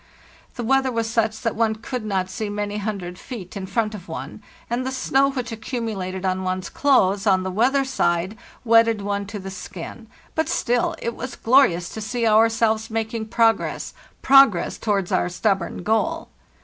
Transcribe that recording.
The weather was such that one could not see many hundred feet in front of one, and the snow which accumulated on one's clothes on the weather side wetted one to the skin; but still it was glorious to see ourselves making progress—progress towards our stubborn goal.